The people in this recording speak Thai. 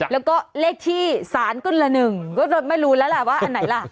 แล้วก็เลขที่สารกุลละ๑ก็ไม่รู้แล้วล่ะว่าอันไหนล่ะ